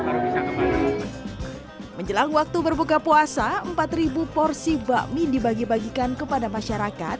baru bisa kembali menjelang waktu berbuka puasa empat ribu porsi bakmi dibagi bagikan kepada masyarakat